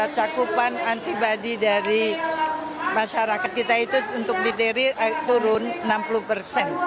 cakupan antibody dari masyarakat kita itu untuk difteri turun enam puluh persen